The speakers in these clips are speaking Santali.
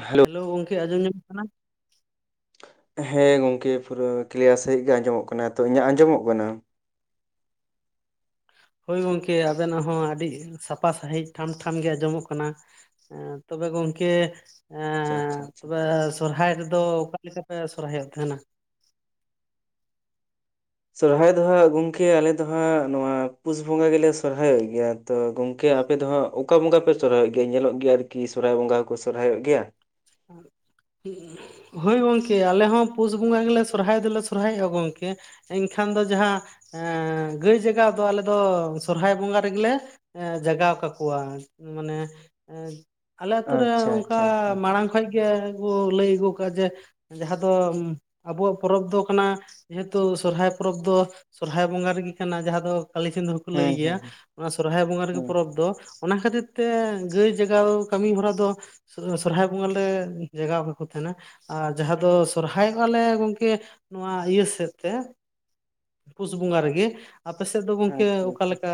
ᱦᱮᱞᱳ ᱦᱮᱞᱳᱣ ᱜᱚᱝᱠᱮ ᱟᱸᱡᱚᱢ ᱧᱟᱢᱚᱜ ᱠᱟᱱᱟ ᱦᱮᱸ ᱜᱚᱝᱠᱮ ᱯᱩᱨᱟᱹ ᱠᱤᱞᱤᱭᱟᱨ ᱥᱟᱺᱦᱤᱡ ᱜᱮ ᱟᱸᱡᱚᱢᱚᱜ ᱠᱟᱱᱟ᱾ ᱛᱚ ᱤᱧᱟᱹᱜ ᱟᱸᱡᱚᱢᱚᱜ ᱠᱟᱱᱟ ᱦᱳᱭ ᱜᱚᱝᱠᱮ ᱟᱵᱮᱱᱟᱜ ᱦᱚᱸ ᱟᱹᱰᱤ ᱥᱟᱯᱷᱟ ᱥᱟᱺᱦᱤᱡ ᱴᱷᱟᱢ ᱴᱷᱟᱢ ᱜᱮ ᱟᱸᱡᱚᱢᱚᱜ ᱠᱟᱱᱟ ᱦᱮᱸ ᱛᱚᱵᱮ ᱜᱚᱝᱠᱮ ᱟᱪᱪᱷᱟ ᱮᱸ ᱟᱪᱪᱷᱟ ᱟᱪᱪᱷᱟ ᱛᱚᱵᱮ ᱥᱚᱨᱦᱟᱭ ᱨᱮᱫᱚ ᱚᱠᱟᱞᱮᱠᱟ ᱯᱮ ᱥᱚᱦᱨᱟᱭᱚᱜ ᱛᱟᱦᱮᱱᱟ ᱥᱚᱦᱨᱟᱭ ᱫᱚᱦᱟᱸᱜ ᱜᱚᱝᱠᱮ ᱟᱞᱮ ᱫᱚᱦᱟᱸᱜ ᱱᱚᱣᱟ ᱯᱩᱥ ᱵᱚᱸᱜᱟ ᱜᱮᱞᱮ ᱥᱚᱨᱦᱟᱭᱚᱜ ᱜᱮᱭᱟ ᱛᱚ ᱜᱚᱝᱠᱮ ᱟᱯᱮ ᱫᱚ ᱦᱟᱸᱜ ᱚᱠᱟ ᱵᱚᱸᱜᱟ ᱯᱮ‌ ᱥᱚᱨᱦᱟᱭᱚᱜ ᱜᱮᱭᱟ ᱧᱮᱞᱚᱜ ᱜᱮᱭᱟ ᱟᱨᱠᱤ ᱥᱚᱦᱨᱟᱭ ᱵᱚᱸᱜᱟ ᱦᱚᱸᱠᱚ ᱥᱚᱦᱨᱟᱭᱚᱜ ᱜᱤᱭᱟ [unintelligible] ᱦᱳᱭ ᱜᱚᱝᱠᱮ ᱟᱞᱮ ᱦᱚᱸ ᱯᱩᱥ ᱵᱚᱸᱜᱟ ᱜᱮᱞᱮ ᱥᱚᱦᱨᱟᱭ ᱫᱚᱞᱮ ᱥᱚᱦᱨᱟᱭᱚᱜᱼᱟ ᱜᱚᱝᱠᱮ ᱮᱱᱠᱷᱟᱱ ᱫᱚ ᱡᱟᱦᱟᱸ ᱜᱟᱹᱭ ᱡᱟᱜᱟᱣ ᱫᱚ ᱟᱞᱮ ᱫᱚ ᱥᱚᱦᱨᱟᱭ ᱵᱚᱸᱜᱟ ᱨᱮᱜᱮᱞᱮ ᱡᱟᱜᱟᱣ ᱠᱟᱠᱚᱣᱟ ᱢᱟᱱᱮ ᱟᱞᱮ ᱟᱛᱩ ᱨᱮ ᱟᱪᱪᱷᱟ ᱚᱱᱠᱟ ᱟᱪᱪᱷᱟ ᱟᱪᱪᱷᱟ ᱢᱟᱲᱟᱝ ᱠᱷᱚᱡ ᱜᱮ ᱟᱵᱚ ᱞᱟᱹᱭ ᱟᱹᱜᱩ ᱠᱟᱜᱼᱟ ᱡᱮ ᱡᱟᱦᱟᱸ ᱫᱚ ᱟᱵᱚᱣᱟᱜ ᱯᱚᱨᱚᱵᱽ ᱫᱚ ᱠᱟᱱᱟ ᱡᱮᱦᱮᱛᱩ ᱥᱚᱦᱨᱟᱭ ᱯᱚᱨᱚᱵᱽ ᱫᱚ ᱥᱚᱦᱨᱟᱭ ᱵᱚᱸᱜᱟ ᱨᱮᱜᱮ ᱠᱟᱱᱟ ᱡᱟᱦᱟᱸ ᱫᱚ ᱠᱷᱟᱞᱤ [unintelligible] ᱞᱟᱹᱭ ᱦᱩᱸ ᱜᱮᱭᱟ ᱦᱩᱸ ᱦᱩᱸ ᱚᱱᱟ ᱥᱚᱦᱨᱟᱭ ᱵᱚᱸᱜᱟ ᱨᱮᱜᱮ ᱦᱩᱸ ᱯᱚᱨᱚᱵᱽ ᱫᱚ ᱚᱱᱟ ᱠᱷᱟᱹᱛᱤᱨ ᱛᱮ ᱜᱟᱹᱭ ᱡᱟᱜᱟᱣ ᱠᱟᱹᱢᱤ ᱦᱚᱨᱟ ᱫᱚ ᱥᱚᱦᱨᱟᱭ ᱵᱚᱸᱜᱟ ᱞᱮ ᱡᱟᱜᱟᱣ ᱠᱟᱠᱚ ᱛᱟᱦᱮᱸᱱᱟ ᱟᱨ ᱡᱟᱦᱟᱸ ᱫᱚ ᱥᱚᱦᱨᱟᱭᱚᱜᱼᱟ ᱞᱮ ᱜᱚᱝᱠᱮ ᱱᱚᱣᱟ ᱤᱭᱟᱹ ᱥᱮᱫ ᱛᱮ ᱯᱩᱥ ᱵᱚᱸᱜᱟ ᱨᱮᱜᱮ ᱟᱯᱮ ᱥᱮᱫ ᱫᱚ ᱜᱚᱝᱠᱮ ᱚᱠᱟᱞᱮᱠᱟ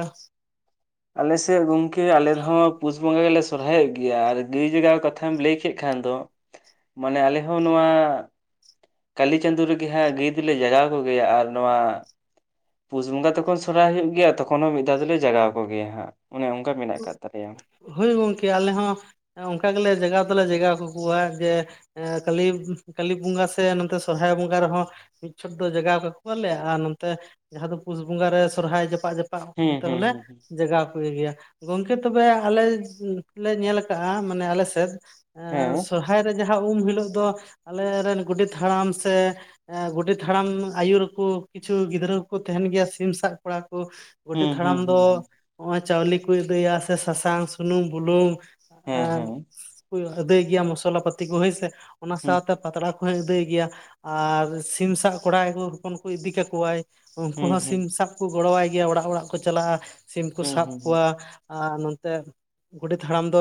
ᱟᱞᱮᱥᱮᱫ ᱜᱚᱝᱠᱮ ᱟᱞᱮ ᱦᱚᱸ ᱯᱩᱥ ᱵᱚᱸᱜᱟ ᱜᱮᱞᱮ ᱥᱚᱨᱦᱟᱭᱚᱜ ᱜᱮᱭᱟ ᱟᱨ ᱜᱟᱹᱭ ᱡᱟᱜᱟᱣ ᱠᱟᱛᱷᱟᱢ ᱞᱟᱹᱭ ᱠᱮᱫ ᱠᱷᱟᱱ ᱫᱚ ᱢᱟᱱᱮ ᱟᱞᱮ ᱦᱚᱸ ᱱᱚᱣᱟ ᱠᱟᱹᱞᱤ ᱪᱟᱸᱫᱳ ᱨᱮᱜᱮ ᱦᱟᱸᱜ ᱜᱟᱹᱭ ᱫᱚᱞᱮ ᱡᱟᱜᱟᱣ ᱠᱚᱜᱮᱭᱟ ᱟᱨ ᱱᱚᱣᱟ ᱯᱩᱥ ᱵᱚᱸᱜᱟ ᱛᱚᱠᱷᱚᱱ ᱥᱚᱦᱨᱟᱭ ᱦᱩᱭᱩᱜ ᱜᱮᱭᱟ ᱛᱚᱠᱷᱚᱱ ᱦᱚᱸ ᱢᱤᱫ ᱫᱷᱟᱣ ᱫᱚᱞᱮ ᱡᱟᱜᱟᱣ ᱠᱚ ᱜᱮᱭᱟ ᱦᱟᱸᱜ ᱚᱱᱮ ᱚᱱᱠᱟ ᱢᱮᱱᱟᱜ ᱠᱟᱫ ᱛᱟᱞᱮᱭᱟ ᱦᱳᱭ ᱜᱚᱝᱠᱮ ᱟᱞᱮ ᱦᱚᱸ ᱚᱱᱠᱟ ᱜᱮᱞᱮ ᱡᱟᱜᱟᱣ ᱫᱚᱞᱮ ᱡᱟᱜᱟᱣ ᱠᱟᱠᱚᱣᱟ ᱡᱮ ᱮ ᱠᱟᱹᱞᱤ ᱠᱟᱹᱞᱤ ᱵᱚᱸᱜᱟ ᱥᱮ ᱱᱚᱛᱮ ᱥᱚᱦᱨᱟᱭ ᱵᱚᱸᱜᱟ ᱨᱮᱦᱚᱸ ᱢᱤᱫ ᱪᱷᱚᱴ ᱫᱚ ᱡᱟᱜᱟᱣ ᱠᱟᱠᱚᱣᱟᱞᱮ ᱟᱨ ᱱᱚᱛᱮ ᱡᱟᱦᱟᱸ ᱫᱚ ᱯᱩᱥ ᱵᱚᱸᱜᱟ ᱨᱮ ᱥᱚᱦᱨᱟᱭ ᱡᱟᱯᱟᱜ ᱡᱟᱯᱟᱜ ᱦᱩᱸ ᱚᱱᱛᱮ ᱦᱩᱸ ᱦᱚᱸᱞᱮ ᱦᱩᱸ ᱦᱩᱸ ᱡᱟᱜᱟᱣ ᱠᱚ ᱜᱮᱭᱟ ᱜᱚᱝᱠᱮ ᱛᱚᱵᱮ ᱟᱞᱮ ᱞᱮ ᱧᱮᱞ ᱟᱠᱟᱜᱼᱟ ᱢᱟᱱᱮ ᱟᱞᱮ ᱥᱮᱫ ᱦᱮᱸ ᱥᱚᱨ ᱦᱟᱭ ᱨᱮ ᱡᱟᱦᱟᱸ ᱩᱢ ᱦᱤᱞᱚᱜ ᱫᱚ ᱟᱞᱮᱨᱮ ᱨᱮᱱ ᱜᱳᱰᱮᱛ ᱦᱟᱲᱟᱢ ᱥᱮ ᱮᱸ ᱜᱳᱰᱮᱛ ᱛᱟᱲᱟᱢ ᱟᱭᱩᱨ ᱠᱩ ᱠᱤᱪᱷᱩ ᱜᱤᱫᱽᱨᱟᱹ ᱠᱚᱠᱚ ᱛᱟᱦᱮᱱ ᱜᱮᱭᱟ ᱥᱤᱢ ᱥᱟᱵ ᱠᱚᱲᱟ ᱠᱩ ᱦᱩᱸ ᱜᱳᱰᱮᱛ ᱦᱩᱸ ᱛᱟᱲᱟᱢ ᱫᱚ ᱦᱩᱸ ᱦᱩᱸ ᱱᱚᱜᱚᱭ ᱪᱟᱣᱞᱮ ᱠᱚ ᱟᱹᱫᱟᱹᱭᱟ ᱥᱮ ᱥᱟᱥᱟᱝ, ᱥᱩᱱᱩᱢ, ᱵᱩᱞᱩᱝ ᱮ ᱦᱮᱸ ᱦᱮᱸ ᱠᱩᱭ ᱟᱹᱫᱟᱹᱭ ᱜᱮᱭᱟ ᱢᱚᱥᱞᱟ ᱯᱟᱹᱛᱤ ᱠᱚ ᱦᱳᱭ ᱥᱮ ᱚᱱᱟ ᱦᱩᱸ ᱥᱟᱶᱛᱮ ᱯᱟᱛᱲᱟ ᱠᱚᱭ ᱟᱹᱫᱟᱹᱭ ᱜᱮᱭᱟ ᱟᱨ ᱥᱤᱢ ᱥᱟᱵ ᱠᱚᱲᱟ ᱜᱮᱠᱩ ᱦᱚᱯᱚᱱ ᱠᱚ ᱤᱫᱤ ᱠᱮᱠᱩᱣᱟᱭ ᱩᱱᱠᱩ ᱦᱩᱸ ᱦᱚᱸ ᱦᱩᱸ ᱥᱤᱢ ᱥᱟᱵ ᱠᱚ ᱜᱚᱲᱚᱣᱟᱭ ᱜᱮᱭᱟ ᱚᱲᱟᱜ ᱚᱲᱟᱜ ᱠᱚ ᱪᱟᱞᱟᱜᱼᱟ ᱥᱤᱢ ᱠᱚ ᱦᱩᱸ ᱦᱩᱸ ᱥᱟᱵ᱾ ᱦᱩᱸ ᱱᱚᱛᱮ ᱜᱳᱰᱮᱛ ᱦᱟᱲᱟᱢ ᱫᱚ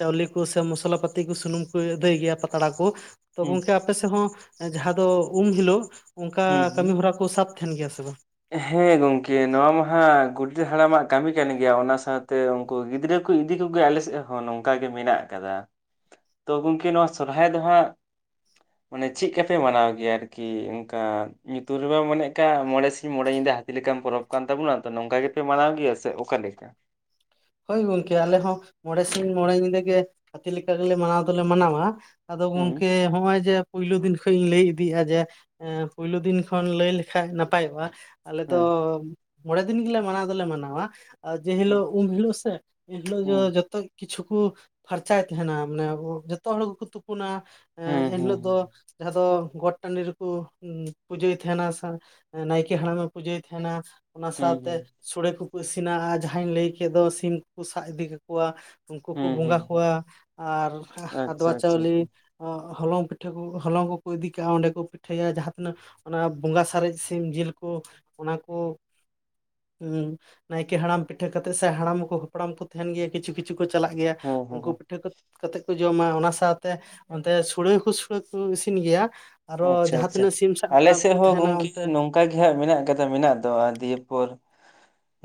ᱪᱟᱣᱞᱮ ᱠᱚ ᱥᱮ ᱢᱚᱥᱞᱟ ᱯᱟᱹᱛᱤ ᱠᱩ ᱥᱩᱱᱩᱢ ᱠᱚ ᱟᱹᱫᱟᱹᱭ ᱜᱮᱭᱟ ᱯᱟᱛᱲᱟ ᱠᱩ᱾ ᱛᱚ ᱜᱚᱝᱠᱮ ᱟᱯᱮ ᱥᱮᱫ ᱦᱚᱸ ᱡᱟᱦᱟᱸ ᱫᱚ ᱩᱢ ᱦᱤᱞᱳᱜ ᱚᱱᱠᱟ ᱦᱩᱸ ᱦᱩᱸ ᱦᱩᱸ ᱠᱟᱹᱢᱤ ᱦᱚᱨᱟ ᱠᱚ ᱥᱟᱵ ᱛᱟᱦᱮᱱ ᱜᱮᱭᱟ ᱥᱮ ᱵᱟᱝ? ᱦᱮᱸ ᱜᱚᱝᱠᱮ ᱱᱚᱣᱟ ᱢᱟᱦᱟᱜ ᱜᱳᱰᱮᱛ ᱦᱟᱲᱟᱢᱟᱜ ᱠᱟᱹᱢᱤ ᱠᱟᱱ ᱜᱮᱭᱟ ᱚᱱᱟ ᱥᱟᱶᱛᱮ ᱩᱱᱠᱩ ᱜᱤᱫᱽᱨᱟᱹ ᱠᱚ ᱤᱫᱤ ᱠᱚᱜᱮᱭᱟ ᱟᱞᱮ ᱥᱮᱫ ᱦᱚᱸ ᱱᱚᱝᱠᱟ ᱜᱮ ᱢᱮᱱᱟᱜ ᱟᱠᱟᱫᱟ᱾ ᱛᱚ ᱜᱚᱝᱠᱮ ᱱᱚᱣᱟ ᱥᱚᱨᱦᱟᱭ ᱫᱚ ᱦᱟᱸᱜ ᱢᱟᱱᱮ ᱪᱤᱠᱟ ᱯᱮ ᱢᱟᱱᱟᱣ ᱜᱮᱭᱟ ᱟᱨᱠᱤ ᱚᱱᱠᱟ ᱧᱩᱛᱩᱢ ᱨᱮᱢᱟ ᱢᱮᱠᱟᱜ ᱢᱚᱬᱮ ᱥᱤᱧ ᱢᱚᱬᱮ ᱧᱤᱫᱟᱹ ᱦᱟᱛᱤ ᱞᱮᱠᱟᱱ ᱯᱚᱨᱚᱵᱽ ᱠᱟᱱ ᱛᱟᱵᱚᱱᱟ ᱛᱚ ᱱᱚᱝᱠᱟ ᱜᱮᱯᱮ ᱢᱟᱱᱟᱣ ᱜᱮᱭᱟ ᱥᱮ ᱚᱠᱟᱮ ᱞᱮᱠᱟ ᱦᱳᱭ ᱜᱚᱝᱠᱮ ᱟᱞᱮ ᱦᱚᱸ ᱢᱚᱬᱮ ᱥᱤᱧ ᱢᱚᱬᱮ ᱧᱤᱫᱟᱹ ᱜᱮ ᱦᱟᱹᱛᱤ ᱞᱮᱠᱟ ᱜᱮᱞᱮ ᱢᱟᱱᱟᱣ ᱫᱚᱞᱮ ᱢᱟᱱᱟᱣᱼᱟ ᱟᱫᱚ ᱦᱩᱸ ᱜᱚᱝᱠᱮ ᱦᱚᱜᱼᱚᱭ ᱡᱮ ᱯᱳᱭᱞᱳ ᱫᱤᱱ ᱠᱷᱚᱱ ᱤᱧ ᱞᱟᱹᱭ ᱤᱫᱤᱜᱼᱟ ᱡᱮ ᱮ ᱯᱳᱭᱞᱳ ᱫᱤᱱ ᱠᱷᱚᱱ ᱞᱟᱹᱭ ᱞᱮᱠᱷᱷᱟ ᱱᱟᱯᱟᱭᱚᱜᱼᱟ ᱟᱞᱮ ᱦᱮᱸ ᱫᱚ ᱢᱚᱬᱮ ᱫᱤᱱ ᱜᱮᱞᱮ ᱢᱟᱱᱟᱣ ᱫᱚᱞᱮ ᱢᱟᱱᱟᱣᱟ ᱦᱩᱸ ᱡᱮᱦᱤᱞᱳᱜ ᱩᱢ ᱦᱤᱞᱳᱜ ᱥᱮ ᱮᱱᱦᱤᱞᱳᱜ ᱫᱚ ᱦᱩᱸ ᱡᱚᱛᱚ ᱠᱤᱪᱷᱩ ᱠᱚ ᱯᱷᱟᱨᱪᱟᱭ ᱛᱟᱦᱮᱱᱟ ᱢᱟᱱᱮ ᱡᱚᱛᱚ ᱦᱚᱲ ᱜᱮᱠᱚ ᱛᱩᱯᱩᱱᱟ᱾ ᱦᱩᱸ ᱮᱱᱦᱤᱞᱳᱜ ᱫᱚ ᱦᱩᱸ ᱡᱟᱦᱟᱸ ᱫᱚ ᱜᱚᱴ ᱴᱟᱺᱰᱤ ᱯᱩᱡᱟᱹᱭ ᱛᱟᱦᱮᱱᱟ ᱱᱟᱭᱠᱮ ᱦᱟᱲᱟᱢᱮ ᱯᱩᱡᱟᱹᱭ ᱛᱟᱦᱮᱱᱟ ᱚᱱᱟ ᱥᱟᱶᱛᱮ ᱦᱩᱸ ᱥᱚᱲᱮ ᱠᱚᱠᱚ ᱤᱥᱤᱱᱟ ᱟᱨ ᱡᱟᱦᱟᱸᱟᱧ ᱞᱟᱹᱭ ᱠᱮᱫ ᱫᱚ ᱥᱤᱢ ᱠᱚᱠᱚ ᱥᱟᱵ ᱤᱫᱤ ᱠᱟᱠᱚᱣᱟ ᱩᱱᱠᱩ ᱠᱚ ᱦᱩᱸ ᱦᱩᱸ ᱵᱚᱸᱜᱟ ᱦᱩᱸ ᱠᱚᱣᱟ ᱟᱨ ᱟᱪᱪᱷᱟ ᱟᱫᱣᱟ ᱟᱪᱪᱷᱟ ᱪᱟᱣᱞᱤ ᱟᱪᱪᱷᱟ ᱦᱚᱞᱚᱝ ᱯᱤᱴᱷᱟᱹ ᱠᱚ ᱦᱚᱞᱚᱝ ᱠᱚᱠᱚ ᱤᱫᱤ ᱠᱟᱜᱼᱟ ᱚᱸᱰᱮ ᱠᱚ ᱯᱤᱴᱷᱟᱹᱭᱟ ᱡᱟᱦᱟᱸᱛᱤᱱᱟᱹᱜ ᱚᱱᱟ ᱵᱚᱸᱜᱟ ᱥᱟᱨᱮᱡ ᱥᱤᱢ ᱡᱤᱞ ᱠᱩ ᱚᱱᱟ ᱠᱩ ᱱᱟᱭᱠᱮ ᱦᱟᱲᱟᱢ ᱯᱤᱴᱷᱟᱹ ᱠᱟᱛᱮᱜ ᱥᱮ ᱦᱟᱲᱟᱢ ᱩᱱᱠᱩ ᱦᱟᱯᱲᱟᱢ ᱠᱚ ᱛᱟᱦᱮᱱ ᱜᱮᱭᱟ ᱠᱤᱪᱷᱩ ᱠᱤᱪᱷᱩ ᱠᱚ ᱪᱟᱞᱟᱜ ᱜᱮᱭᱟ ᱦᱮᱸ ᱦᱮᱸ ᱩᱱᱠᱩ ᱦᱮᱸ ᱯᱤᱴᱷᱟᱹ ᱠᱚᱛᱮᱫ ᱡᱚᱢᱟ ᱚᱱᱟ ᱥᱟᱶᱛᱮ ᱚᱱᱛᱮ ᱥᱳᱲᱮ ᱦᱚᱸ ᱥᱳᱲᱮ ᱠᱚ ᱤᱥᱤᱱ ᱜᱮᱭᱟ ᱟᱨᱚ ᱟᱪᱪᱷᱟ ᱡᱟᱦᱟᱸ ᱛᱤᱱᱟᱹᱜ ᱥᱤᱢ ᱥᱟᱵ ᱠᱚᱲᱟ ᱠᱚᱠᱩ ᱛᱟᱦᱮᱱᱟ ᱚᱱᱛᱮ ᱚᱱᱠᱟᱜ ᱜᱮ ᱦᱟᱸᱜ ᱢᱮᱱᱟᱜ ᱠᱟᱫᱟ ᱢᱮᱱᱟᱜ ᱫᱚ ᱫᱤᱭᱮ ᱯᱚᱨ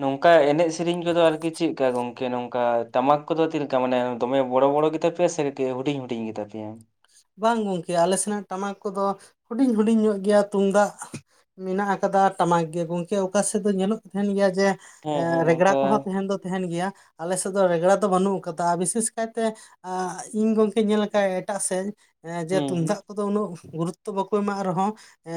ᱱᱚᱝᱠᱟ ᱮᱱᱮᱡ ᱥᱮᱨᱮᱧ ᱠᱚᱫᱚ ᱟᱨᱠᱤ ᱪᱤᱠᱟ ᱜᱚᱝᱠᱮ ᱱᱚᱝᱠᱟ ᱴᱟᱢᱟᱠ ᱠᱚᱫᱚ ᱛᱟ ᱢᱟᱱᱮ ᱫᱚᱢᱮ ᱵᱚᱲᱚ ᱵᱚᱲᱚ ᱜᱮᱛᱟ ᱯᱮᱭᱟ ᱥᱮ ᱦᱩᱰᱤᱧ ᱦᱩᱰᱤᱧ ᱜᱮᱛᱟ ᱯᱮᱭᱟ? ᱵᱟᱝ ᱜᱚᱝᱠᱮ ᱟᱞᱮ ᱥᱮᱱᱟᱜ ᱴᱟᱢᱟᱠ ᱠᱚᱫᱚ ᱦᱩᱰᱤᱧ ᱦᱩᱰᱤᱧ ᱧᱚᱜ ᱜᱮᱭᱟ ᱛᱩᱢᱫᱟᱜ ᱢᱮᱱᱟᱜ ᱟᱠᱟᱫᱟ ᱴᱟᱢᱟᱠ ᱜᱮ ᱜᱚᱝᱠᱮ ᱚᱠᱟ ᱥᱮᱫ ᱫᱚ ᱧᱮᱞᱚᱜ ᱛᱟᱦᱮᱱ ᱜᱮᱭᱟ ᱡᱮ ᱮ ᱦᱮᱸ ᱦᱮᱸ ᱨᱮᱜᱲᱟ ᱱᱚᱝᱠᱟ ᱠᱚᱦᱚᱸ ᱛᱟᱦᱮᱱ ᱫᱚ ᱛᱟᱦᱮᱱ ᱜᱮᱭᱟ ᱟᱞᱮ ᱥᱮᱫ ᱫᱚ ᱨᱮᱜᱽᱲᱟ ᱫᱚ ᱵᱟᱹᱱᱩᱜ ᱟᱠᱟᱫᱟ ᱵᱤᱥᱮᱥ ᱠᱟᱭᱛᱮ ᱤᱧ ᱜᱚᱝᱠᱮ ᱧᱮᱞ ᱞᱮ ᱟᱠᱟᱜ ᱮᱴᱟᱜ ᱥᱮᱡ ᱡᱮ ᱛᱩᱢᱫᱟᱜ ᱦᱩᱸ ᱠᱚᱫᱚ ᱩᱱᱟᱹᱜ ᱜᱩᱨᱩᱛᱛᱚ ᱵᱟᱠᱚ ᱮᱢᱟᱜ ᱨᱮᱦᱚᱸ ᱮ